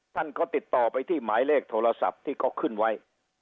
ท่านก็ติดต่อไปที่หมายเลขโทรศัพท์ที่เขาขึ้นไว้